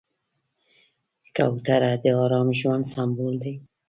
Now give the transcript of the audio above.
کوتره د ارام ژوند سمبول دی.